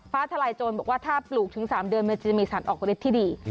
ฟ้าทะลายโจรบอกว่าถ้าปลูกถึง๓เดือนก็จะมีสันออกเล็กที่ดี